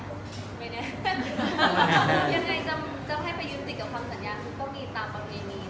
ยังไงจะให้ค่อยยุ่นติดกับความสัญญากันต้องกินมีตามบางอย่าง